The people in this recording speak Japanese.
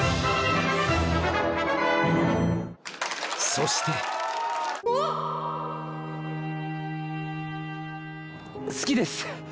そして好きです！